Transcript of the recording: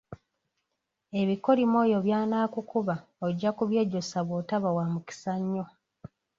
Ebikolimo oyo by'anaakukuba ojja kubyejjusa bw'otoba wa mukisa nnyo.